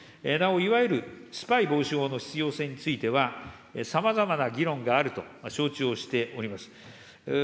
なお、いわゆるスパイ防止法の必要性については、さまざまな議論があると承知をしております。